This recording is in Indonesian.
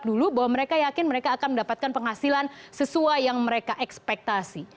dulu bahwa mereka yakin mereka akan mendapatkan penghasilan sesuai yang mereka ekspektasi